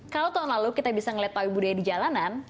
kalau tahun lalu kita bisa melihat payu budaya di jalanan